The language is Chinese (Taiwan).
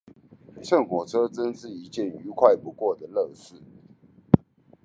乘火車真是一件愉快不過的樂事！